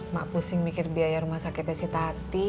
mak pusing mikir biaya rumah sakitnya si tati